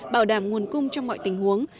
bảo đảm nguồn cung trong mọi tình huống